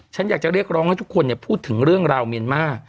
ฉันอยากจะเรียกร้องให้ทุกคนพูดถึงเรื่องราวเมียนมาร์